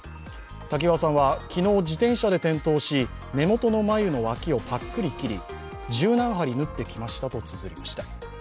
滝川さんは昨日、自転車で転倒し、目元のまゆの脇をパックリ切り、十何針縫ってきましたとつづりました。